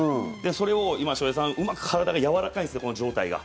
それを今、翔平さんうまく体がやわらかいんです、上体が。